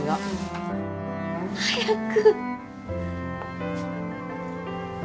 早く。